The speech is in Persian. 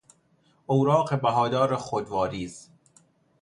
اوراق بهادار خود واریز